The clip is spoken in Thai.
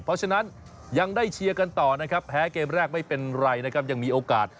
เพราะฉะนั้นยังได้เชียร์กันต่อนะครับแพ้เกมแรกไม่เป็นไรนะครับยังมีโอกาส